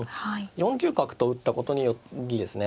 ４九角と打ったことによりですね